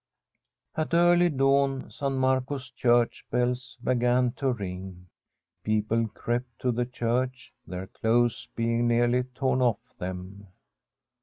At early dawn San Marco's Church bells began to ring. People crept to the church, their clothes being nearly torn off them.